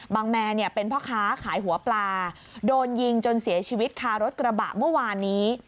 แมนเนี่ยเป็นพ่อค้าขายหัวปลาโดนยิงจนเสียชีวิตคารถกระบะเมื่อวานนี้